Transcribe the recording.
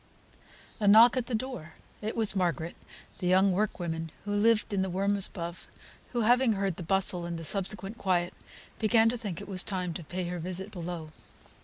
A knock at the door! It was Margaret, the young workwoman who lived in the rooms above, who having heard the bustle, and the subsequent quiet, began to think it was time to pay her visit below.